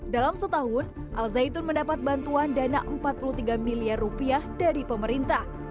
dalam setahun al zaitun mendapat bantuan dana empat puluh tiga miliar rupiah dari pemerintah